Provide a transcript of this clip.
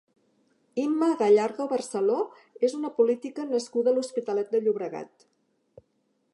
Imma Gallardo Barceló és una política nascuda a l'Hospitalet de Llobregat.